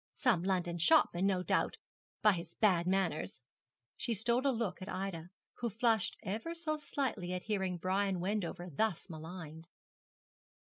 'Some London shopman, no doubt, by his bad manners.' She stole a look at Ida, who flushed ever so slightly at hearing Brian Wendover thus maligned.